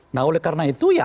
nah oleh karena itu ya